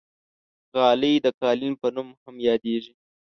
غالۍ د قالین په نوم هم یادېږي.